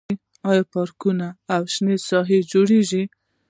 آیا پارکونه او شنه ساحې جوړوي؟